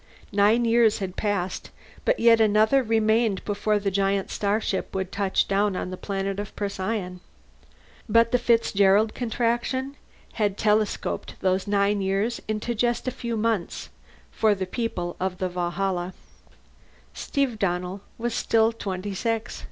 Nine years had passed, but yet another remained before the giant starship would touch down on a planet of Procyon's. But the Fitzgerald Contraction had telescoped those nine years into just a few months, for the people of the Valhalla. Steve Donnell was still twenty six.